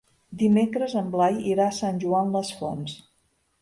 Dimecres en Blai irà a Sant Joan les Fonts.